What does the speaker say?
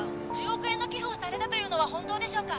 １０億円の寄付をされたというのは本当でしょうか？